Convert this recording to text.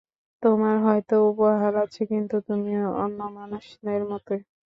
তোমার হয়তো উপহার আছে, কিন্তু তুমিও অন্য মানুষদের মতোই।